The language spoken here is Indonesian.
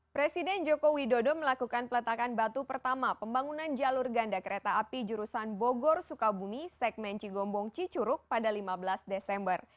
presiden joko widodo melakukan peletakan batu pertama pembangunan jalur ganda kereta api jurusan bogor sukabumi segmen cigombong cicuruk pada lima belas desember